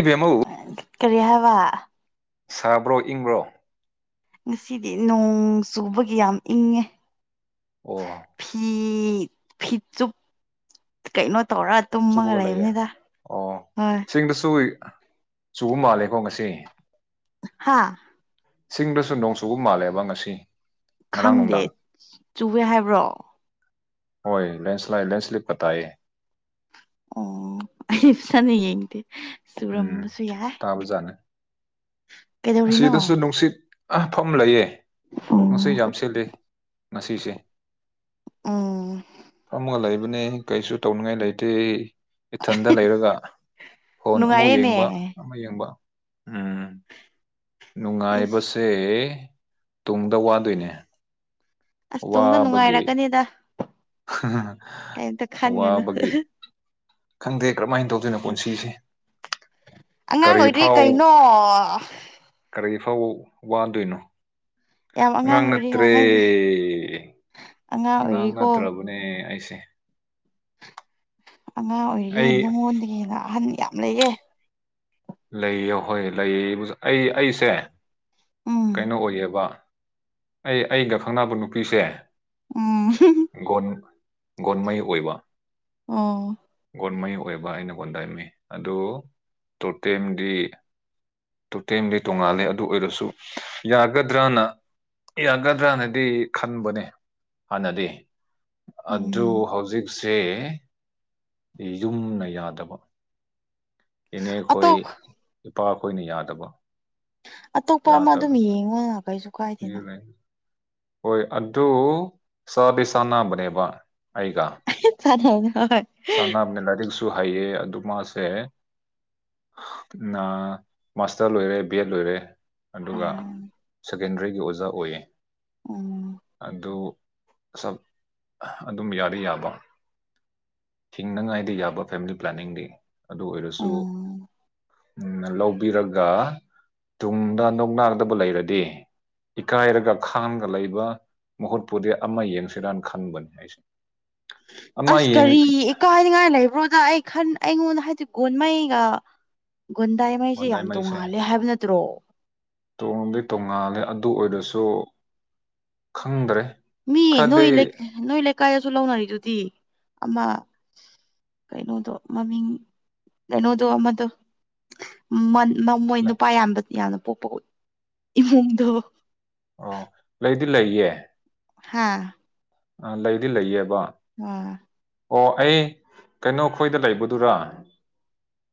ꯏꯕꯦꯝꯃꯧ ꯀꯔꯤ ꯍꯥꯏꯕ ꯁꯥꯕ꯭ꯔꯣ ꯏꯪꯕ꯭ꯔꯣ ꯉꯁꯤꯗꯤ ꯅꯣꯡ ꯆꯨꯕꯒꯤ ꯌꯥꯝ ꯏꯪꯉꯦ ꯑꯣ ꯐꯤ ꯐꯤꯖꯨꯞ ꯀꯩꯅꯣ ꯇꯧꯔ ꯇꯨꯝꯃꯒ ꯆꯨꯕꯒ ꯂꯩꯌꯦ ꯂꯩꯕꯅꯤꯗ ꯑꯣ ꯍꯣꯏ ꯆꯤꯡꯗꯁꯨ ꯆꯨꯕ ꯃꯥꯜꯂꯦꯀꯣ ꯉꯁꯤ ꯍꯥꯥ ꯆꯤꯡꯗꯁꯨ ꯅꯣꯡꯆꯨꯕ ꯃꯥꯜꯂꯦꯕ ꯉꯁꯤ ꯉꯔꯥꯡ ꯈꯪꯗꯦ ꯅꯨꯡꯗꯥꯡ ꯆꯨꯋꯦ ꯍꯥꯏꯕ꯭ꯔꯣ ꯍꯣꯏ ꯂꯦꯟꯁ ꯂꯥꯏꯠ ꯂꯦꯟꯁꯂꯤꯄ ꯀꯥ ꯇꯥꯏꯌꯦ ꯑꯣ ꯑꯩ [unintelligible] ꯌꯦꯡꯗꯦ ꯎꯝ ꯆꯨꯔꯝꯕꯁꯨ ꯌꯥꯏ [inaudible] ꯇꯥꯕꯖꯥꯠꯅꯦ ꯑꯁꯤꯗꯁꯨ ꯅꯨꯡꯁꯤꯠ ꯑ ꯐꯝ ꯂꯩꯌꯦ ꯅꯨꯡꯁꯤꯠ ꯎꯝ ꯌꯥꯝ ꯁꯤꯠꯂꯤ ꯉꯁꯤꯁꯤ ꯎꯝ ꯐꯝꯃꯒ ꯂꯩꯕꯅꯦ ꯀꯩꯁꯨ ꯇꯧꯅꯤꯡꯉꯥꯏ ꯂꯩꯇꯦ ꯏꯊꯟꯗ ꯂꯩꯔꯒ ꯐꯣꯟ ꯑꯃꯨꯛ ꯅꯨꯡꯉꯥꯏꯔꯦꯅꯦ ꯌꯦꯡꯕ ꯑꯃ ꯌꯦꯡꯕ ꯎꯝ ꯑꯩꯁ ꯅꯨꯡꯉꯥꯏꯕꯁꯦ ꯇꯨꯡꯗ ꯋꯥꯗꯣꯏꯅꯦ ꯑꯁ ꯇꯨꯡꯗ ꯋꯥꯕꯒꯤ ꯅꯨꯡꯉꯥꯏꯔꯛꯀꯅꯤꯗ ꯀꯩꯝꯇ ꯈꯟꯒꯅꯨ ꯋꯥꯕꯒꯤ ꯈꯪꯗꯦ ꯀꯔꯝꯍꯥꯏꯅ ꯇꯧꯗꯣꯏꯅꯣ ꯄꯨꯟꯁꯤꯁꯦ ꯑꯉꯥꯡ ꯀꯔꯤ ꯑꯣꯏꯔꯤ ꯐꯥꯎ ꯀꯩꯅꯣ ꯀꯔꯤ ꯐꯧ ꯋꯥꯗꯣꯏꯅꯣ ꯌꯥꯝ ꯑꯉꯥꯡ ꯑꯣꯏꯔꯤ ꯅꯠꯇ꯭ꯔꯦ ꯋꯥꯉꯥꯡꯗꯤ ꯑꯉꯥꯡ ꯅꯠꯇ꯭ꯔꯕꯅꯦ ꯑꯩꯁꯦ ꯑꯉꯥꯡ ꯑꯣꯏꯔꯤꯌꯦ ꯑꯩ ꯅꯉꯣꯟꯗꯒꯤ ꯍꯦꯟꯅ ꯑꯍꯟ ꯌꯥꯝ ꯂꯩꯌꯦ ꯂꯩꯌꯦ ꯍꯣꯏ ꯂꯩ ꯑꯩ ꯑꯩꯁꯦ ꯎꯝ ꯀꯩꯅꯣ ꯑꯣꯏꯌꯦꯕ ꯑꯩ ꯑꯩꯒ ꯈꯪꯅꯕ ꯅꯨꯄꯤꯁꯦ ꯎꯝ ꯒꯣꯟ ꯒꯣꯟꯃꯩ ꯑꯣꯏꯕ ꯑꯣ ꯒꯣꯟꯃꯩ ꯑꯣꯏꯕ ꯑꯩꯅꯒꯣꯟꯗꯥꯝꯃꯤ ꯑꯗꯨ ꯇꯣꯇꯦꯝꯗꯤ ꯇꯣꯇꯦꯝꯗꯦ ꯇꯣꯉꯥꯜꯂꯦ ꯑꯗꯨ ꯑꯣꯏꯔꯁꯨ ꯌꯥꯒꯗ꯭ꯔꯅ ꯌꯥꯒꯗ꯭ꯔꯅꯗꯤ ꯈꯟꯕꯅꯦ ꯍꯥꯟꯅꯗꯤ ꯑꯗꯨ ꯎꯝ ꯍꯧꯖꯤꯛ ꯁꯦ ꯌꯨꯝꯅ ꯌꯥꯗꯕ ꯏꯅꯦ ꯈꯣꯏ ꯑꯇꯣꯞ ꯏꯄꯥꯈꯣꯏꯅ ꯌꯥꯗꯕ ꯑꯇꯣꯞꯄ ꯑꯃ ꯑꯗꯨꯝ ꯌꯦꯡꯉꯣ ꯀꯩꯁꯨ ꯀꯥꯏꯗꯦꯅ ꯄꯤꯌꯨꯅꯦ ꯍꯣꯏ ꯑꯗꯨ ꯆꯥꯗꯤ ꯆꯥꯅꯕꯅꯦꯕ ꯑꯩꯒ ꯆꯥꯟꯅꯩꯅ ꯍꯣꯏ ꯁꯅꯥꯕꯅꯦ ꯂꯥꯏꯔꯤꯛꯁꯨ ꯍꯩꯌꯦ ꯑꯗꯨ ꯃꯥꯁꯦ ꯅ ꯃꯥꯁꯇꯔ ꯂꯣꯏꯔꯦ ꯕꯦꯠ ꯂꯣꯏꯔꯦ ꯑꯗꯨꯒ ꯎꯝ ꯁꯦꯀꯦꯟꯗ꯭ꯔꯤꯒꯤ ꯑꯣꯖꯥ ꯑꯣꯏꯌꯦ ꯎꯝ ꯑꯗꯨ ꯁꯞ ꯑꯗꯨꯝ ꯌꯥꯗꯤ ꯌꯥꯕ ꯊꯤꯡꯅꯉꯥꯏꯗꯤ ꯌꯥꯕ ꯐꯦꯃ꯭ꯂꯤ ꯄ꯭ꯂꯥꯅꯤꯡꯗꯤ ꯑꯗꯨ ꯑꯣꯏꯔꯁꯨ ꯎꯝ ꯎꯝ ꯂꯧꯕꯤꯔꯒ ꯇꯨꯡꯗ ꯅꯣꯛꯅꯥꯒꯗꯕ ꯂꯩꯔꯗꯤ ꯏꯀꯥꯏꯔꯒꯞ ꯈꯥꯡꯒ ꯂꯩꯕ ꯃꯍꯨꯠꯄꯨꯗꯤ ꯑꯃ ꯌꯦꯡꯁꯤꯔꯅ ꯈꯟꯕꯅꯤ ꯑꯩꯁꯦ ꯑꯃ ꯑꯁ ꯌꯦꯡ ꯀꯔꯤ ꯏꯀꯥꯏꯅꯤꯉꯥꯏ ꯂꯩꯕ꯭ꯔꯣꯗ ꯑꯩ ꯈꯟ ꯑꯩꯉꯣꯟꯗ ꯍꯥꯏꯗꯤ ꯒꯣꯟꯃꯩꯒ ꯒꯨꯟꯗꯥꯏꯃꯩꯁꯦ ꯌꯥꯝ ꯈꯣꯟꯗꯥꯏꯃꯩꯁꯦ ꯇꯣꯡꯉꯥꯜꯂꯦ ꯍꯥꯏꯕ ꯅꯠꯇ꯭ꯔꯣ ꯇꯣꯡꯗꯤ ꯇꯣꯡꯉꯥꯜꯂꯦ ꯑꯗꯨ ꯑꯣꯏꯔꯁꯨ ꯈꯪꯗ꯭ꯔꯦ ꯃꯤ ꯈꯔꯗꯤ ꯅꯣꯏ ꯂꯩ ꯅꯣꯏ ꯂꯩꯀꯥꯏꯒꯁꯨ ꯂꯧꯅꯔꯤꯗꯨꯗꯤ ꯑꯃꯥ ꯀꯩꯅꯣꯗꯣ ꯃꯃꯤꯡ ꯀꯩꯅꯣꯗꯣ ꯑꯃꯥꯗꯣ ꯃꯟ ꯃ ꯃꯣꯏ ꯂꯩ ꯅꯨꯄꯥ ꯌꯥꯝꯗ ꯌꯥꯝꯅ ꯄꯣꯛꯄ ꯏꯃꯨꯡꯗꯣ ꯑꯣ ꯂꯩꯗꯤ ꯂꯩꯌꯦ ꯍꯥꯥ ꯑ ꯂꯩꯗꯤ ꯂꯩꯌꯦꯕ ꯋ ꯑꯣ ꯑꯩ ꯀꯩꯅꯣ ꯈꯣꯏꯗ ꯂꯩꯕꯗꯨꯔꯥ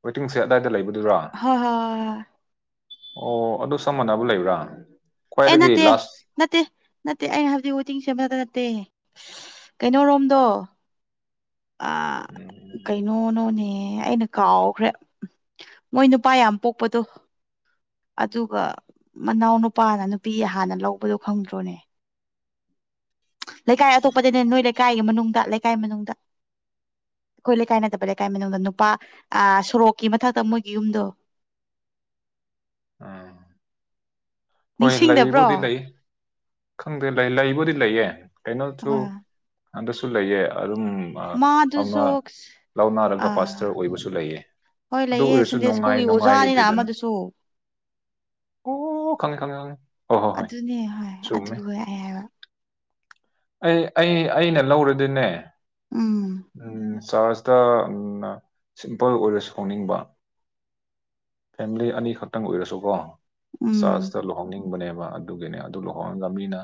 ꯋꯦꯇꯤꯡꯁꯦꯠ ꯑꯗꯥꯏꯗ ꯂꯩꯕ ꯍ-ꯍꯣꯏ ꯑꯣ ꯑꯗꯨ ꯁꯝ ꯃꯥꯟꯅꯕ ꯂꯩꯕ꯭ꯔꯥ ꯑꯦ ꯈ꯭ꯋꯥꯏꯗꯒꯤ ꯅꯠꯇꯦ ꯂꯥꯁ ꯅꯠꯇꯦ ꯅꯠꯇꯦ ꯑꯩꯅ ꯍꯧꯖꯤꯛ ꯋꯦꯇꯤꯡ ꯁꯦꯠ ꯃꯅꯥꯛꯗ ꯅꯠꯇꯦ ꯀꯩꯅꯣꯔꯣꯝꯗꯣ ꯑ ꯎꯝ ꯀꯩꯅꯣꯅꯣꯅꯦ ꯑꯩꯅ ꯀꯥꯎꯈ꯭ꯔꯦ ꯃꯣꯏ ꯅꯨꯄꯥ ꯌꯥꯝ ꯄꯣꯛꯄꯗꯣ ꯑꯗꯨꯒ ꯃꯅꯥꯎ ꯅꯨꯄꯥꯅ ꯅꯨꯄꯤ ꯍꯥꯟꯅ ꯂꯧꯕꯗꯣ ꯈꯪꯗ꯭ꯔꯣꯅꯦ ꯂꯩꯀꯥꯏ ꯑꯇꯣꯞꯄꯗꯅꯦ ꯅꯣꯏ ꯂꯩꯀꯥꯏꯒꯤ ꯃꯅꯨꯡꯗ ꯂꯩꯀꯥꯏ ꯃꯅꯨꯡꯗ ꯈꯣꯏ ꯂꯩꯀꯥꯏ ꯅꯠꯇꯕ ꯂꯩꯀꯥꯏ ꯃꯅꯨꯡꯗ ꯅꯨꯄꯥ ꯑꯥ ꯁꯣꯔꯣꯛꯀꯤ ꯃꯊꯛꯇ ꯃꯣꯏꯒꯤ ꯌꯨꯝꯗꯣ ꯑ ꯍꯣꯏ ꯅꯤꯡꯁꯤꯡꯗꯕ꯭ꯔꯣ ꯂꯩꯕꯨꯗꯤ ꯂꯩ ꯈꯪꯗꯦ ꯂꯩ ꯂꯩꯕꯨꯗꯤ ꯂꯩꯌꯦ ꯀꯩꯅꯣꯁꯨ ꯍꯣꯏ ꯑꯟꯗꯁꯨ ꯂꯩꯌꯦ ꯑꯔꯨꯝ ꯃꯥ ꯑꯃꯥ ꯃꯥꯗꯨꯁꯨ ꯂꯧꯅꯥꯔꯒ ꯑꯥ ꯄꯥꯁꯇꯔ ꯑꯣꯏꯕꯁꯨ ꯂꯩꯌꯦ ꯍꯣꯏ ꯑꯗꯨ ꯂꯩꯌꯦ ꯑꯣꯏꯔꯁꯨ ꯁꯟꯗꯦ ꯅꯨꯡꯉꯥꯏ ꯁ꯭ꯀꯨꯜꯒꯤ ꯑꯣꯖꯥꯅꯤꯅ ꯅꯨꯡꯉꯥꯏꯇꯦꯗꯅ ꯑꯃꯗꯨꯁꯨ ꯑꯣ ꯈꯪꯉꯦ ꯈꯪꯉꯦ ꯈꯪꯉꯦ ꯍꯣ-ꯍꯣ-ꯍꯣꯏ ꯑꯗꯨꯅꯦ ꯍꯣꯏ ꯆꯨꯝꯃꯦ ꯑꯗꯨꯒ ꯑꯩ ꯍꯥꯏꯕ ꯑꯩ ꯑꯩ ꯑꯩꯅ ꯂꯧꯔꯗꯤꯅꯦ ꯎꯝ ꯎꯝ ꯆꯥꯔꯖꯇ ꯎꯝꯅ ꯁꯤꯝꯄꯜ ꯑꯣꯏꯔ ꯁꯥꯎꯅꯤꯡꯕ ꯐꯦꯃ꯭ꯂꯤ ꯑꯅꯤꯈꯛꯇꯪ ꯑꯣꯏꯔꯁꯨꯀꯣ ꯎꯝ ꯆꯥꯔꯖꯇ ꯂꯨ ꯍꯣꯡꯅꯤꯡꯕꯅꯦꯕ ꯑꯗꯨꯒꯤꯅꯦ ꯑꯗꯨ ꯂꯨꯍꯣꯡꯉꯒ ꯃꯤꯅ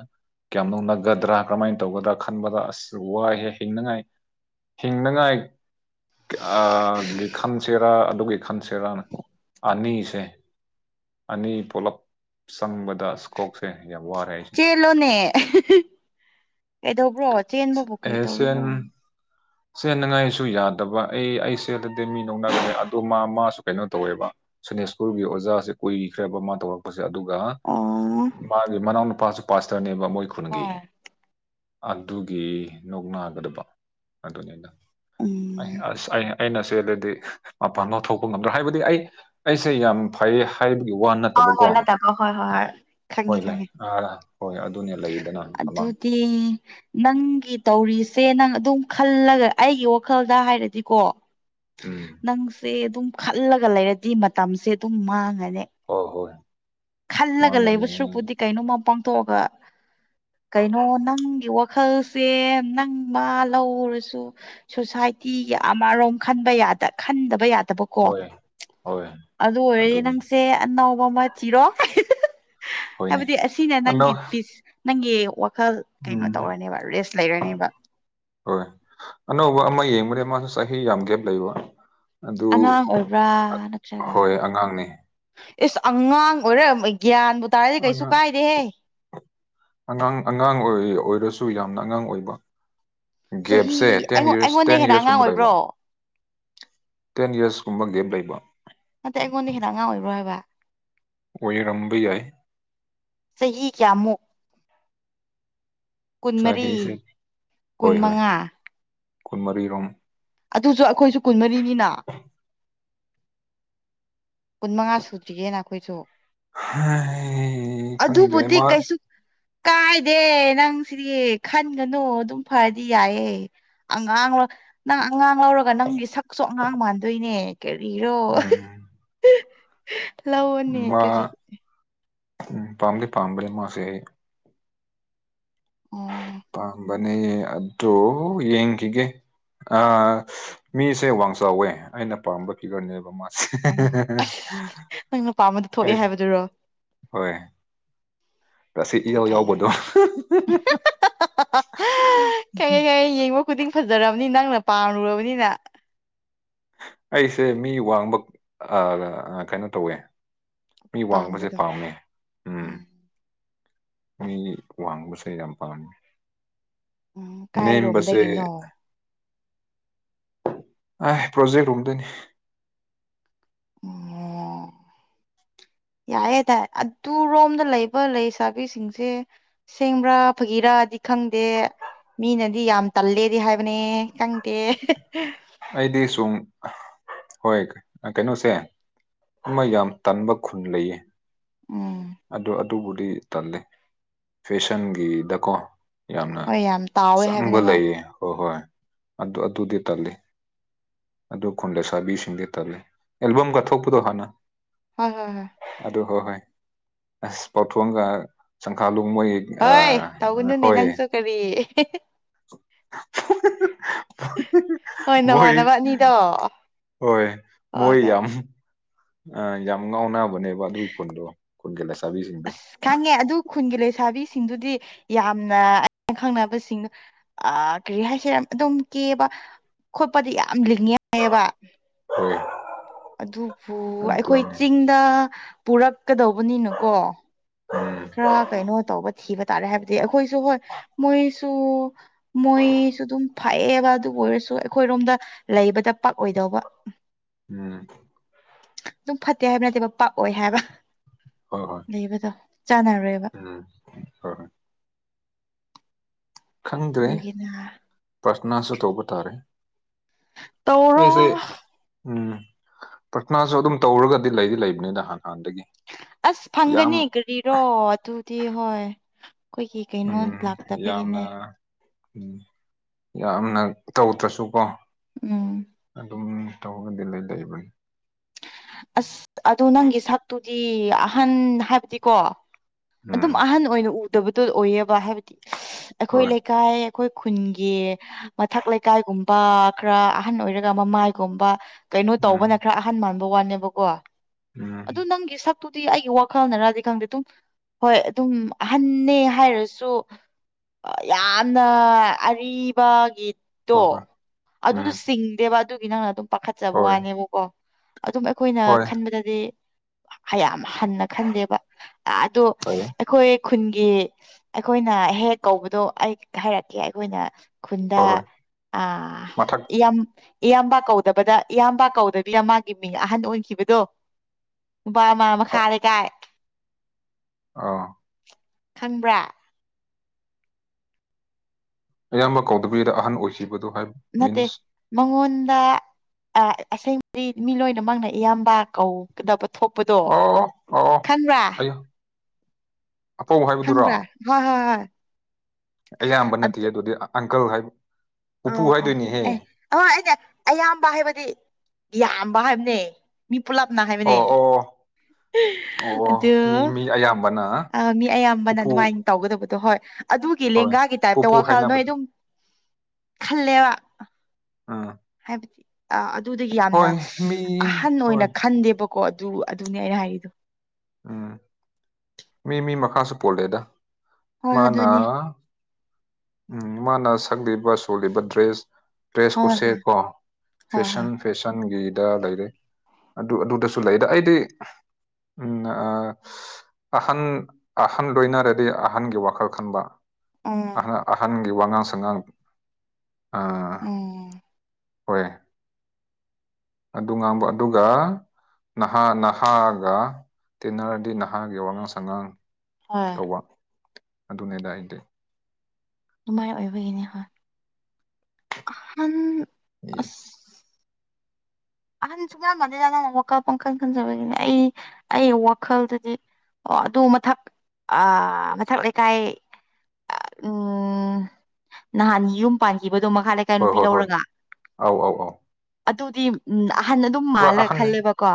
ꯀꯌꯥꯝ ꯅꯣꯛꯅꯒꯗ꯭ꯔꯥ ꯀꯃꯥꯏꯟ ꯇꯧꯒꯗ꯭ꯔꯥ ꯈꯟꯕꯗ ꯑꯁ ꯋꯥꯏꯍꯦ ꯍꯤꯡꯅꯉꯥꯏ ꯍꯤꯡꯅꯉꯥꯏ-ꯒꯤ ꯑꯥ ꯒꯤ ꯈꯟꯁꯦꯔꯥ ꯑꯗꯨꯒꯤ ꯈꯟꯁꯦꯔꯥꯅ ꯑꯅꯤꯁꯦ ꯑꯅꯤ ꯄꯨꯂꯞ ꯆꯪꯕꯗ ꯀꯣꯛꯁꯦ ꯌꯥꯝ ꯋꯥꯔꯦ ꯑꯩ ꯆꯦꯂꯣꯅꯦ ꯀꯩꯗꯧꯕ꯭ꯔꯣ ꯆꯦꯟꯕꯕꯨ ꯀ꯭ꯔꯤ ꯇꯧꯒ‌ꯦꯔꯣ ꯆ‌ꯦꯟꯅꯉꯥꯏꯁꯨ ꯌꯥꯗꯕ ꯑꯩ ꯑꯩ ꯆ‌ꯦꯜꯂꯗꯤ ꯃꯤ ꯅꯣꯛꯅꯒꯅ‌ꯦ ꯑꯗꯣ ꯃꯥ ꯃꯥꯁꯨ ꯀꯩꯅꯣ ꯇꯧꯋꯦꯕ ꯁ‌ꯦꯅꯦꯛ ꯁ꯭ꯀꯨꯜꯒꯤ ꯑꯣꯖꯥꯁꯦ ꯀꯨꯏꯈ꯭ꯔꯦꯕ ꯃꯥ ꯇꯧꯔꯛꯄꯁꯦ ꯑꯗꯨꯒ ꯑꯣ ꯃꯥꯒꯤ ꯃꯅꯥꯎ ꯅꯨꯨꯄꯥꯁꯨ ꯄꯥꯁꯇꯔꯅꯦꯕ ꯃꯣꯏ ꯈꯨꯟꯒꯤ ꯍꯣꯏ ꯑꯗꯨꯒꯤ ꯅꯣꯛꯅꯒꯗꯕ ꯑꯗꯨꯅꯤꯅ‌ꯦꯅ ꯑꯩ ꯎꯝ ꯑꯁ ꯑꯩ ꯑꯩꯅ ꯆꯦꯜꯂꯗꯤ ꯃꯄꯥꯟꯗ ꯊꯣꯛꯄ ꯉꯝꯗ꯭ꯔ‌ꯣ ꯍꯥꯏꯕꯗꯤ ꯑꯩ ꯑꯩꯁꯦ ꯌꯥꯝ ꯐꯩ ꯍꯥꯏꯕ ꯒꯤ ꯋꯥ ꯍꯣꯏ ꯅꯠꯇꯕꯀꯣ ꯍꯣꯏ ꯅꯠꯇꯕ ꯍꯣꯏ ꯍꯣꯏ ꯍꯣꯏ ꯈꯪꯉꯦ ꯍꯣꯏ ꯂꯩ ꯈꯪꯉꯦ ꯑꯥ ꯍꯣꯏ ꯑꯗꯨꯅꯦ ꯂꯩꯗꯅ ꯊꯃꯥꯡ ꯏ ꯅꯪꯒꯤ ꯇꯧꯔꯤꯁꯦ ꯅꯪ ꯑꯗꯨꯝ ꯈꯜꯂꯒ ꯑꯩꯒꯤ ꯋꯥꯈꯜꯗ ꯍꯥꯏꯔꯗꯤꯀꯣ ꯎꯝ ꯅꯪꯁꯦ ꯑꯗꯨꯝ ꯈꯜꯂꯒ ꯂꯩꯔꯗꯤ ꯃꯇꯝꯁꯦ ꯑꯗꯨꯝ ꯃꯥꯡꯉꯅꯦ ꯑꯣ ꯍꯣꯏ ꯈꯜꯂꯒ ꯃꯥꯡꯒꯅꯤ ꯂꯩꯕ ꯁꯔꯨꯛꯄꯨꯗꯤ ꯀꯩꯅꯣꯝꯃ ꯄꯥꯡꯊꯣꯛꯑꯒ ꯀꯩꯅꯣ ꯅꯪꯒꯤ ꯋꯥꯈꯜꯁꯦ ꯅꯪ ꯃꯥ ꯂꯧꯔꯁꯨ ꯁꯣꯁꯥꯏꯇꯤꯒꯤ ꯑꯃꯔꯣꯝ ꯈꯟꯕ ꯌꯥꯗ ꯈꯟꯗꯕ ꯌꯥꯗꯕ ꯀꯣ ꯍꯣꯏ ꯍꯣꯏ ꯑꯗꯨ ꯑꯣꯏꯔꯗꯤ ꯑꯗꯨꯅꯤ ꯅꯪꯁꯦ ꯑꯅꯧꯕ ꯑꯃ ꯊꯤꯔꯣ ꯍꯣꯏꯅꯦ ꯍꯥꯏꯕꯗꯤ ꯑꯁꯤꯅꯦ ꯑꯗꯣ ꯅꯪꯒꯤ ꯄꯤꯁ ꯅꯪꯒꯤ ꯋꯥꯈꯜ ꯀꯩꯅꯣ ꯎꯝ ꯇꯧꯔꯅꯦꯕ ꯔꯦꯁ ꯂꯩꯔꯅꯦꯕ ꯍꯣꯏ ꯑꯅꯧꯕ ꯑꯃ ꯌꯦꯡꯕꯅ‌ꯦ ꯃꯥꯁꯨ ꯆꯍꯤ ꯌꯥꯝ ꯒꯦꯞ ꯂꯩꯕ ꯑꯗꯨ ꯑꯉꯥꯡ ꯑꯣꯏꯕ꯭ꯔꯥ ꯅꯠꯇ꯭ꯔꯒ ꯍꯣꯏ ꯑꯉꯥꯡꯅꯦ ꯏꯁ ꯑꯉꯥꯡ ꯑꯣꯏꯔ ꯒ꯭ꯌꯥꯟꯕꯨ ꯇꯥꯔꯗꯤ ꯀꯩꯁꯨ ꯑꯉꯥꯡ ꯀꯥꯏꯗꯦꯍꯦ ꯑꯉꯥꯡ ꯑꯉꯥꯡ ꯑꯣꯏ ꯑꯣꯏꯔꯁꯨ ꯌꯥꯝꯅ ꯑꯉꯥꯡ ꯑꯣꯏꯕ ꯒꯦꯞꯁꯦ ꯆꯍꯤ ꯇꯦꯟ ꯑꯩꯉꯣꯟ ꯌꯔꯁ ꯑꯩꯉꯣꯟꯗ ꯇꯦꯟ ꯍꯦꯟꯅ ꯑꯉꯥꯡ ꯌꯔꯁꯀꯨꯝꯕ ꯂꯩꯕ ꯑꯣꯏꯕ꯭ꯔꯣ ꯇꯦꯟ ꯏꯌꯔꯁꯀꯨꯝꯕ ꯒꯦꯞ ꯂꯩꯕ ꯅꯠꯇꯦ ꯑꯩꯉꯣꯟꯗꯩ ꯍ‌ꯦꯟꯅ ꯑꯉꯥꯡ ꯑꯣꯏꯕ꯭ꯔꯣ ꯍꯥꯏꯕ ꯑꯣꯏꯔꯝꯕ ꯌꯥꯏ ꯆꯍꯤ ꯀꯌꯥꯃꯨꯛ ꯀꯨꯟꯃꯔꯤ ꯆꯍꯤꯁꯦ ꯀꯨꯟ ꯍꯣꯏ ꯍꯣꯏ ꯃꯉꯥ ꯀꯨꯟꯃꯔꯤꯔꯣꯝ ꯑꯗꯨꯁꯨ ꯑꯩꯈꯣꯏꯁꯨ ꯀꯨꯟꯃꯔꯤꯅꯤꯅ ꯀꯨꯟ ꯃꯉꯥ ꯁꯨꯗ꯭ꯔꯤꯌ‌ꯦꯅ ꯑꯈꯣꯏꯁꯨ ꯍꯩ ꯈꯪꯗꯦ ꯑꯗꯨꯕꯨꯗꯤ ꯃꯥ ꯀꯩꯁꯨ ꯀꯥꯏꯗꯦ ꯅꯪ ꯁꯤꯗꯤ ꯈꯟꯒꯅꯨ ꯑꯗꯨꯝ ꯐꯔꯗꯤ ꯌꯥꯏꯌꯦ ꯑꯉꯥꯡꯔ‌ꯣ ꯅꯪ ꯑꯉꯥꯡ ꯂꯧꯔꯒ ꯅꯪꯒꯤ ꯁꯛꯁꯨ ꯑꯉꯥꯡ ꯃꯥꯟꯗꯣꯏꯅꯦ ꯀꯔꯤꯔꯣ ꯎꯝ ꯂꯧꯑꯣꯅ‌ꯦ ꯃꯥ ꯀꯔꯤ ꯎꯝ ꯄꯥꯝꯗꯤ ꯄꯥꯝꯕꯅꯦ ꯃꯥꯁꯦ ꯑꯩ ꯑꯣ ꯄꯥꯝꯕꯅꯦ ꯑꯗ‌ꯣ ꯌꯦꯡꯈꯤꯒꯦ ꯑꯥ ꯃꯤꯁꯦ ꯋꯥꯡ ꯆꯥꯎꯋꯦ ꯑꯩꯅ ꯄꯥꯝꯕ ꯐꯤꯒꯔꯅꯦꯕ ꯃꯥ ꯑꯣ ꯑꯁ ꯅꯪꯅ ꯄꯥꯝꯕꯗꯣ ꯊꯣꯛꯑꯦ ꯑꯩ ꯍꯥꯏꯕꯗꯨꯔꯣ ꯍꯣꯏ ꯑꯁꯤ ꯏꯌꯥꯎ ꯐꯩ ꯌꯥꯎꯕꯗꯣ ꯀꯩ [unintelligible] ꯌ‌ꯦꯡꯉꯨ ꯈꯨꯗꯤꯡ ꯐꯖꯔꯕꯅꯤ ꯅꯪꯅ ꯄꯥꯝꯔꯨꯔꯕꯅꯤꯅ ꯑꯩꯁꯦ ꯃꯤ ꯋꯥꯡꯕ ꯑꯥ ꯀꯩꯅꯣ ꯇꯧꯋꯦ ꯃꯤ ꯋꯥꯡꯕꯁꯦ ꯄꯥꯝꯕꯗꯣ ꯄꯥꯝꯃ‌ꯦ ꯎꯝ ꯑꯩꯒꯤ ꯋꯥꯡꯕꯁꯦ ꯌꯥꯝ ꯄꯥꯝꯃꯦ ꯎꯝ ꯅꯦꯝꯕꯁꯦ ꯀꯥꯏꯔꯣꯝꯗꯒꯤꯅꯣ ꯑꯥꯏ ꯄ꯭ꯔꯣꯖꯦꯛ ꯔꯣꯝꯗꯣꯏꯅꯦ [inaudible] ꯌꯥꯌꯦ ꯇꯥꯏ ꯑꯗꯨꯔꯣꯝꯗ ꯂꯩꯕ ꯂꯩꯁꯥꯕꯤꯁꯤꯡꯁꯦ ꯁꯦꯡꯕ꯭ꯔꯥ ꯐꯥꯒꯤꯔꯗꯤ ꯈꯪꯗꯦ ꯃꯤꯅꯗꯤ ꯌꯥꯝ ꯇꯜꯂꯦꯗꯤ ꯍꯥꯏꯕꯅꯦ ꯈꯪꯗꯦ ꯑꯩꯗꯤ ꯁꯨꯡ ꯍꯣꯏ ꯑ ꯀꯩꯅꯣꯁꯦ ꯑꯃ ꯌꯥꯝ ꯇꯟꯕ ꯈꯨꯟ ꯂꯩꯌꯦ ꯎꯝ ꯑꯗꯣ ꯑꯗꯨꯕꯨꯗꯤ ꯇꯜꯂꯦ ꯐꯦꯁꯟꯒꯤꯗꯀꯣ ꯌꯥꯝꯅ ꯍꯣꯏ ꯌꯥꯝ ꯇꯥꯎꯋꯦ ꯆꯪꯕ ꯍꯥꯏꯕꯅꯦꯕ ꯂꯩꯌꯦ ꯍꯣ ꯍꯣꯏ ꯑꯗꯨ ꯑꯗꯨꯗꯤ ꯇꯜꯂꯦ ꯑꯗꯨ ꯈꯨꯟ ꯂꯩꯁꯥꯕꯤꯁꯤꯡꯗꯤ ꯇꯜꯂꯦ ꯑꯦꯜꯕꯝ ꯀꯠꯊꯣꯛꯄꯗꯣ ꯍꯥꯟꯅ ꯍ ꯍ ꯍ ꯑꯗꯨ ꯍꯣꯏ ꯍꯣꯏ ꯑꯁ ꯄꯥꯎꯊꯣꯛꯒ ꯁꯪꯈꯥ ꯂꯣꯡ ꯃꯣꯏ ꯍꯣꯏ ꯇꯧꯒꯅꯨꯅꯦ ꯍꯣꯏ ꯅꯪꯁꯨ ꯀꯔꯤ [unintelligible] ꯍꯣꯏ ꯃꯣꯏ ꯅꯃꯥꯟꯅꯕ ꯑꯅꯤꯗꯣ ꯍꯣꯏ ꯍꯣꯏ ꯃꯣꯏ ꯍꯣꯏ ꯌꯥꯝ ꯑ ꯌꯥꯝ ꯉꯥꯎꯅꯕꯅꯦꯕ ꯑꯗꯨꯒꯤ ꯈꯨꯟꯗꯣ ꯈꯨꯟꯒꯤ ꯂꯁꯥꯕꯤꯁꯤꯡꯗꯣ ꯑꯁ ꯈꯪꯉꯦ ꯑꯗꯨ ꯈꯨꯟꯒꯤ ꯂꯩꯁꯥꯕꯤꯁꯤꯡꯗꯨꯗꯤ ꯌꯥꯝꯅ ꯑ ꯈꯪꯅꯕꯁꯤꯡꯅ ꯑ ꯀꯔꯤ ꯍꯥꯏꯁꯤꯔꯦ ꯑꯗꯨꯝ ꯀꯦꯕ ꯈꯣꯠꯄꯗꯤ ꯌꯥꯝ ꯂꯤꯡꯉꯦ ꯍꯥꯏꯌꯦꯕ ꯎꯝ ꯑꯗꯨꯕꯨ ꯑꯩꯈꯣꯏ ꯆꯤꯡꯗ ꯄꯨꯔꯛꯀꯗꯧꯕꯅꯤꯅꯀꯣ ꯎꯝ ꯈꯔ ꯀꯩꯅꯣ ꯇꯧꯕ ꯊꯤꯕ ꯇꯥꯔꯦ ꯍꯥꯏꯕꯗꯤ ꯑꯈꯣꯏꯁꯨ ꯍꯣꯏ ꯃꯣꯏꯁꯨ ꯃꯣꯏꯁꯨ ꯑꯗꯨꯝ ꯐꯛꯑꯦꯕ ꯑꯗꯨ ꯑꯣꯏꯔꯁꯨ ꯑꯩꯈꯣꯏꯔꯣꯝꯗ ꯂꯩꯕꯗ ꯄꯥꯛ ꯑꯣꯏꯗꯧꯕ ꯎꯝ ꯑꯗꯨꯝ ꯐꯠꯇꯦ ꯍꯥꯏꯕ ꯅꯠꯇꯦꯕ ꯄꯥꯛ ꯑꯣꯏ ꯍꯥꯏꯕ ꯍꯣꯏ ꯍꯣꯏ ꯂꯩꯕꯗꯣ ꯆꯥꯟꯅꯔꯣꯏꯕ ꯎꯝ ꯍꯣꯏ ꯍꯣꯏ ꯈꯪꯗ꯭ꯔꯦꯍꯦ ꯑꯗꯨꯒꯤꯅ ꯄ꯭ꯔꯁꯅꯥꯁꯨ ꯇꯧꯕ ꯇꯥꯔꯦ ꯇꯧꯔꯣ ꯑꯩꯁꯦ ꯎꯝ ꯄ꯭ꯔꯊꯅꯥꯖꯨ ꯑꯗꯨꯝ ꯇꯧꯔꯒꯗꯤ ꯂꯩꯗꯤ ꯂꯩꯕꯅꯤꯗ ꯍꯥꯟ ꯍꯥꯟꯅꯗꯒꯤ ꯑꯁ ꯐꯪꯒꯅꯤ ꯀꯔꯥꯔꯤꯔꯣ ꯑꯗꯨꯗꯤ ꯍꯣꯏ ꯈꯣꯏꯒꯤ ꯀꯩꯅꯣ ꯎꯝ ꯂꯥꯛꯇꯕꯒꯤꯅꯦ ꯌꯥꯝꯅ ꯎꯝ ꯌꯥꯝꯅ ꯇꯧꯗ꯭ꯔꯁꯨꯀꯣ ꯎꯝ ꯑꯗꯨꯝ ꯇꯧꯒꯗꯤ ꯂꯩ ꯂꯩꯕꯅꯤ ꯑꯁ ꯑꯗꯣ ꯅꯪꯒꯤ ꯁꯛꯇꯨꯗꯤ ꯑꯍꯟ ꯍꯥꯏꯕꯗꯤꯀꯣ ꯎꯝ ꯑꯗꯨꯝ ꯑꯍꯟ ꯑꯣꯏꯅ ꯎꯗꯕꯗꯣ ꯑꯣꯏꯌꯦꯕ ꯍꯥꯏꯕꯗꯤ ꯑꯩꯈꯣꯏ ꯍꯣꯏ ꯂꯩ ꯀꯥꯏꯌꯦ ꯑꯩꯈꯣꯏ ꯈꯨꯟꯒꯤ ꯃꯊꯛ ꯂꯩꯀꯥꯏꯒꯨꯝꯕ ꯈꯔ ꯑꯍꯟ ꯑꯣꯏꯔꯒ ꯃꯃꯥꯏꯒꯨꯝꯕ ꯀꯩꯅꯣ ꯎꯝ ꯇꯧꯕꯅ ꯈꯔ ꯑꯍꯟ ꯃꯥꯟꯕ ꯋꯥꯅꯦꯕꯀꯣ ꯎꯝ ꯑꯗꯨ ꯅꯪꯒꯤ ꯁꯞ ꯇꯨꯗꯤ ꯑꯩꯒꯤ ꯋꯥꯈꯜꯅꯔꯗꯤ ꯈꯪꯗꯦ ꯇꯨꯝ ꯍꯣꯏ ꯑꯗꯨꯝ ꯑꯍꯟꯅꯦ ꯍꯥꯏꯔꯁꯨ ꯌꯥꯝꯅ ꯑꯔꯤꯕꯒꯤ ꯇꯣ ꯍꯣꯏ ꯍꯣꯏ ꯑꯗꯨꯗꯣ ꯎꯝ ꯁꯤꯡꯗꯦꯕ ꯑꯗꯨꯒꯤ ꯅꯪꯅ ꯑꯗꯨꯝ ꯄꯥꯈꯠꯆꯕ ꯍꯣꯏ ꯋꯥꯅꯦꯕꯀꯣ ꯑꯗꯨꯝ ꯑꯩꯈꯣꯏꯅ ꯍꯣꯏ ꯈꯟꯕꯗꯗꯤ ꯌꯥꯝ ꯍꯟꯅ ꯈꯟꯗꯦꯕ ꯑꯗꯣ ꯐꯩꯌꯦ ꯑꯩꯈꯣꯏ ꯈꯨꯟꯒꯤ ꯑꯩꯈꯣꯏꯅ ꯍꯦꯛ ꯀꯧꯕꯗꯣ ꯑꯩ ꯍꯥꯏꯔꯛꯀꯦ ꯑꯩꯈꯣꯏꯅ ꯈꯨꯟꯗ ꯍꯣꯏ ꯍꯣꯏ ꯑ ꯃꯊꯛ ꯏꯌꯝ ꯏꯌꯥꯝꯕ ꯀꯧꯗꯕꯗ ꯏꯌꯥꯝꯕ ꯀꯧꯗꯕꯤꯅ ꯃꯥꯒꯤ ꯃꯤꯡ ꯑꯍꯟ ꯑꯣꯏꯈꯤꯕꯗꯣ ꯕꯃꯥ ꯃꯈꯥ ꯂꯩꯀꯥꯏ ꯑ ꯈꯪꯕ꯭ꯔꯥ ꯑꯌꯥꯝꯕ ꯀꯧꯗꯕꯤꯗ ꯑꯍꯟ ꯑꯣꯏꯈꯤꯕꯗꯣ ꯍꯥꯏ ꯅꯠꯇꯦ ꯃꯉꯣꯟꯗ ꯑꯁꯦꯡꯕꯔꯤ ꯃꯤ ꯂꯣꯏꯅꯃꯛꯅ ꯏꯌꯥꯝꯕ ꯀꯧ ꯀꯗꯕ ꯊꯣꯛꯄꯗꯣ ꯑꯣ ꯑꯣ ꯈꯟꯕ꯭ꯔꯥ ꯑꯌꯥ ꯑꯄꯧ ꯍꯥꯏꯕꯗꯨꯔꯣ ꯈꯪꯕ꯭ꯔꯥ ꯍꯣꯏ ꯍꯣꯏ ꯍꯣꯏ ꯑꯌꯥꯝꯕ ꯅꯠꯇꯦ ꯑꯗꯨꯗꯤ ꯑꯪꯀꯜ ꯍꯥꯏꯕ ꯑ ꯄꯨꯄꯨ ꯑ ꯍꯥꯏꯗꯣꯏꯅꯤꯍꯦ ꯑꯦ ꯑꯣꯏ ꯑꯩꯅꯦ ꯑꯌꯥꯝꯕ ꯍꯥꯏꯕꯗꯤ ꯌꯥꯝꯕ ꯍꯥꯏꯕꯅꯦ ꯃꯤ ꯄꯨꯣꯂꯞꯅ ꯍꯥꯏꯕꯅꯦ ꯑꯣ ꯑꯣ ꯑꯣ ꯑꯣ ꯑꯗꯨ ꯃꯤ ꯃꯤ ꯑꯌꯥꯝꯕꯅ ꯑ ꯃꯤ ꯑꯌꯥꯝꯕꯅ ꯄꯨꯄꯨ ꯑꯗꯨꯃꯥꯏꯅ ꯇꯧꯒꯗꯕꯗꯣ ꯍꯣꯏ ꯑꯗꯨꯒꯤ ꯍꯣꯏ ꯂꯦꯡꯒꯥꯒꯤ ꯇꯥꯏꯞꯇ ꯄꯨꯄꯨ ꯋꯥꯈꯜ ꯅꯣꯏ ꯍꯥꯏꯅꯕꯗꯣ ꯑꯗꯨꯝ ꯈꯜꯂꯦꯕ ꯎꯝ ꯍꯥꯏꯕꯗꯤ ꯑꯗꯨꯗꯒꯤ ꯌꯥꯝꯅ ꯍꯣꯏ ꯃꯤ ꯑꯍꯟ ꯑꯣꯏꯅ ꯍꯣꯏ ꯈꯟꯗꯦꯕ ꯀꯣ ꯑꯗꯨ ꯑꯗꯨꯅꯦ ꯑꯩꯅ ꯍꯥꯏꯔꯤꯗꯣ ꯎꯝ ꯃꯤ- ꯃꯤ ꯃꯈꯥꯁꯨ ꯄꯣꯜꯂꯦꯗ ꯍꯣꯏ ꯃꯥꯅ ꯑꯗꯨꯅꯦ ꯎꯝ ꯃꯥꯅ ꯁꯛꯂꯤꯕ ꯁꯣꯜꯂꯤꯕ ꯗ꯭ꯔꯦꯁ ꯍꯣꯏ ꯗ꯭ꯔꯦꯁꯈꯨꯁꯦꯠꯀꯣ ꯍꯣꯏ ꯍꯣꯏ ꯐꯦꯁꯟ ꯍꯣꯏ ꯐꯦꯁꯟꯒꯤꯗ ꯂꯩꯔꯦ ꯑꯗꯨ ꯑꯗꯨꯗꯁꯨ ꯂꯩ ꯑꯗ ꯑꯩꯗꯤ ꯎꯝ ꯑ ꯑꯍꯟ - ꯑꯍꯟ ꯂꯣꯏꯅꯔꯗꯤ ꯑꯍꯟꯒꯤ ꯋꯥꯈꯜ ꯈꯟꯕ ꯎꯝ ꯑꯍꯟꯒꯤ ꯋꯥꯉꯥꯡ ꯁꯉꯥꯡ ꯑ ꯎꯝ ꯍꯣꯏ ꯑꯗꯨ ꯉꯥꯡꯕ ꯑꯗꯨꯒ ꯅꯍꯥ ꯅꯍꯥꯒ ꯇꯤꯟꯅꯔꯗꯤ ꯅꯍꯥꯒꯤ ꯋꯥꯉꯥꯡ ꯁꯉꯥꯡ ꯍ [unintelligible] ꯇꯧꯕ ꯑꯗꯨꯅꯦꯗ ꯑꯩꯗꯤ ꯗꯨꯃꯥꯏ ꯑꯣꯏꯕꯒꯤꯅꯤ ꯍꯣꯏ ꯑꯍꯟ ꯑꯁ ꯑꯍꯟ ꯁꯨꯡ ꯌꯥꯝꯃꯥꯟꯗꯦ ꯅꯪꯅ ꯋꯥꯈꯜ ꯄꯥꯡꯈꯜ ꯈꯟꯖꯕꯒꯤꯅꯦ ꯑꯩ -ꯑꯩ ꯋꯥꯈꯜꯗꯗꯤ ꯑꯣ ꯑꯗꯨ ꯃꯊꯛ ꯑ ꯃꯊꯛ ꯂꯩꯀꯥꯏ ꯎꯝ ꯅꯍꯥꯟꯒꯤ ꯌꯨꯝ ꯄꯥꯟꯈꯤꯕꯗꯣ ꯃꯈꯥ ꯂꯩ ꯆꯥ ꯍꯣꯏ ꯅꯨꯄꯤ ꯍꯣꯏ ꯍꯣꯏ ꯂꯧꯔꯒ ꯑꯧ ꯑꯧ ꯑꯧ ꯑꯗꯨꯗꯤ ꯎꯝ ꯑꯍꯥꯟ ꯑꯗꯨꯝ ꯄꯨꯔꯥ ꯃꯥꯜꯂ ꯑꯍꯟꯅꯦ ꯈꯜꯂꯦꯕꯀꯣ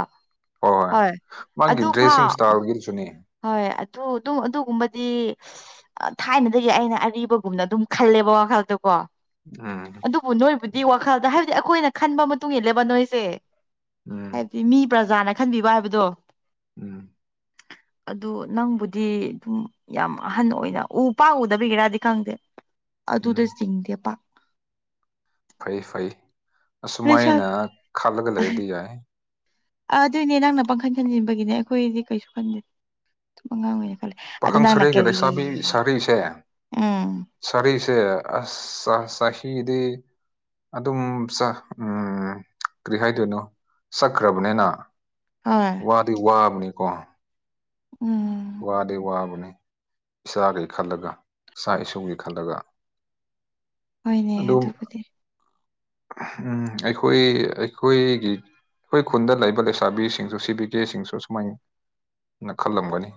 ꯍꯣꯏ ꯃꯥꯒꯤ ꯑꯗꯨ ꯗ꯭ꯔꯦꯁꯤꯡ ꯐꯥꯎ ꯏꯁꯇꯥꯏꯜꯒꯤꯗꯨꯁꯨꯅꯦ ꯍꯣꯏ ꯑꯗꯨ- ꯑꯗꯨ ꯑꯗꯨꯒꯨꯝꯕꯗꯤ ꯊꯥꯏꯅꯗꯒꯤ ꯑꯩꯅ ꯑꯔꯤꯕꯒꯨꯝꯅ ꯑꯗꯨꯝ ꯈꯜꯂꯦꯕ ꯋꯥꯈꯜꯗꯨ ꯀꯣ ꯎꯝ ꯑꯗꯨꯕꯨ ꯅꯣꯏꯕꯨꯗꯤ ꯋꯥꯈꯜꯗ ꯍꯥꯏꯕꯗꯤ ꯑꯩꯈꯣꯏꯅ ꯈꯟꯕ ꯃꯇꯨꯡ ꯏꯜꯂꯦꯕ ꯅꯣꯏꯁꯦ ꯎꯝ ꯍꯥꯏꯕꯗꯤ ꯃꯤ ꯄ꯭ꯔꯖꯥꯅ ꯈꯟꯕꯤꯕ ꯍꯥꯏꯕꯗꯣ ꯎꯝ ꯑꯗꯨ ꯅꯪꯕꯨꯗꯤ ꯑꯗꯨꯝ ꯌꯥꯝ ꯑꯍꯟ ꯑꯣꯏꯅ ꯎ ꯄꯥꯛꯎꯗꯕꯤꯒꯤꯔꯗꯤ ꯈꯪꯗꯦ ꯑꯗꯨꯗ ꯎꯝ ꯆꯤꯡꯗꯦ ꯄꯥꯛ ꯐꯩ ꯐꯩ ꯑꯁꯨꯃꯥꯏꯅ ꯂꯩꯁꯥꯕꯤ ꯈꯜꯂꯒ ꯂꯩꯔꯗꯤ ꯌꯥꯏ ꯑꯥ ꯑꯗꯨꯏꯅꯦ ꯅꯪꯅ ꯄꯪꯈꯟ ꯈꯟꯖꯤꯟꯕꯒꯤꯅꯦ ꯑꯩꯈꯣꯏꯗꯤ ꯀꯩꯁꯨ ꯈꯟꯗꯦ ꯗꯨꯝ ꯑꯉꯥꯡ ꯑꯣꯏꯅ ꯈꯜꯂꯦ ꯑꯗꯣ ꯄꯥꯈꯪ ꯅꯪꯅ ꯁꯔꯩꯒ ꯀꯔꯤ ꯂꯩꯁꯥꯕꯤ ꯎꯝ ꯁꯔꯤꯁꯦ ꯑꯁ ꯑꯥ ꯆꯍꯤꯗꯤ ꯑꯗꯨꯝ ꯆꯥ ꯎꯝ ꯀꯔꯤ ꯍꯥꯏꯗꯣꯏꯅꯣ ꯁꯛꯈ꯭ꯔꯥꯕꯅꯦꯅ ꯎꯝ ꯋꯥꯗꯤ ꯋꯥꯕꯅꯤꯀꯣ ꯎꯝ ꯋꯥꯗꯤ ꯋꯥꯕꯅꯤ ꯏꯆꯥꯒꯤ ꯈꯜꯂꯒ ꯏꯆꯥ ꯏꯁꯨꯒꯤ ꯈꯜꯂꯒ ꯍꯣꯏꯅꯦ ꯑꯗꯨꯝ ꯑꯗꯨꯕꯨꯗꯤ ꯎꯝ ꯑꯩꯈꯣꯏ ꯑꯩꯈꯣꯏꯒꯤ ꯑꯩꯈꯣꯏ ꯈꯨꯟꯗ ꯂꯩꯕ ꯂꯩꯁꯥꯕꯤꯁꯤꯡꯁꯨ ꯁꯤ ꯕꯤ ꯗꯔꯦꯁꯁꯤꯡꯁꯨ ꯁꯨꯃꯥꯏꯅ ꯈꯜꯂꯝꯒꯅꯤ